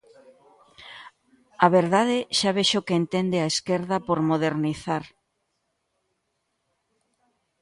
A verdade, xa vexo que entende a esquerda por modernizar.